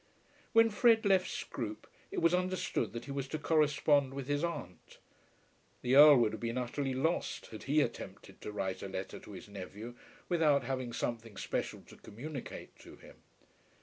When Fred left Scroope it was understood that he was to correspond with his aunt. The Earl would have been utterly lost had he attempted to write a letter to his nephew without having something special to communicate to him.